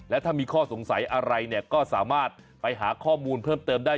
และถ้ามีข้อสงสัยอะไรเนี่ยก็สามารถไปหาข้อมูลเพิ่มเติมได้